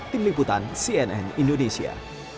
tim liputan cnn indonesia